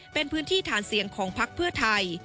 เป็นพื้นที่ฐานเสี่ยงของพักเพื่อไทย